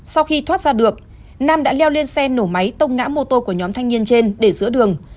sau khi thoát ra được nam đã leo lên xe nổ máy tông ngã mô tô của nhóm thanh niên trên để giữa đường